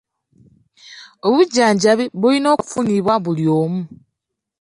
Obujjanjabi bulina okufunibwa buli omu.